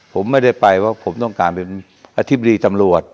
ผมไม่ได้ไปว่าผมต้องการอธิบดีทำรวจ